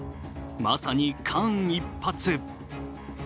まさに間一髪。